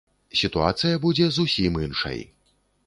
Сітуацыя будзе зусім іншай.